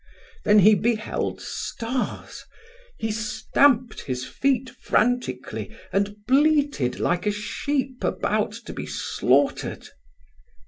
Then he beheld stars. He stamped his feet frantically and bleated like a sheep about to be slaughtered.